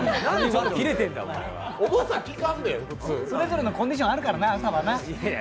それぞれのコンディションあるからな、朝はな。